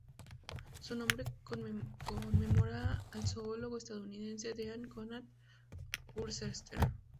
Su nombre conmemora al zoólogo estadounidense Dean Conant Worcester.